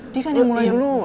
dia kan yang mulai dulu